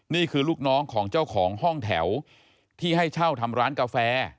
นี่คือลูกน้องของเจ้าของห้องแถวที่ให้เช่าทำร้านกาแฟ